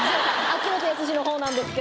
秋元康のほうなんです。